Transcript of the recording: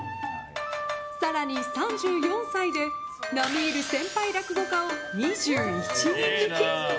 更に３４歳で並み居る先輩落語家を２１人抜き。